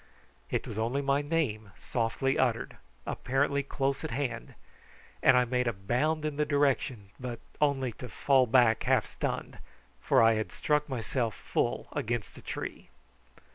It was only my name softly uttered, apparently close at hand, and I made a bound in the direction, but only to fall back half stunned, for I had struck myself full against a tree.